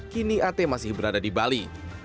kini at masih berada di bali